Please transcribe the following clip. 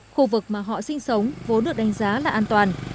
khu vực mà họ sinh sống vốn được đánh giá là an toàn